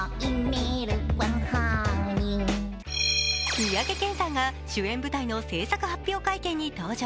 三宅健さんが主演舞台の制作発表会見に登場。